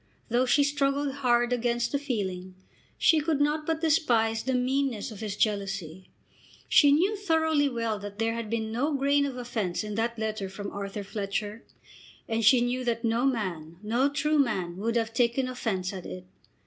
Though she struggled hard against the feeling, she could not but despise the meanness of his jealousy. She knew thoroughly well that there had been no grain of offence in that letter from Arthur Fletcher, and she knew that no man, no true man, would have taken offence at it.